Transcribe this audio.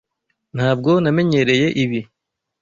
Ntabwo namenyereye ibi.